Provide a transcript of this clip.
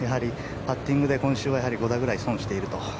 パッティングで今週は５打ぐらい損していると。